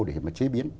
để mà chế biến